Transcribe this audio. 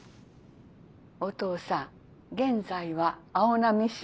おとうさん現在は青波市？」。